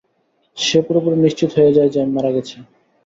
সে পুরোপুরি নিশ্চিত হয়ে যায় যে আমি মারা গেছি।